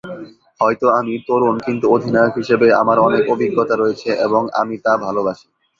হয়তো আমি তরুণ কিন্তু অধিনায়ক হিসেবে আমার অনেক অভিজ্ঞতা রয়েছে এবং আমি তা ভালোবাসি।